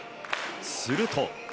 すると。